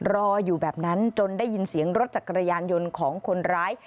รออยู่แบบนั้นจนได้ยินเสียงรถจักรยานยนต์ของคนร้าย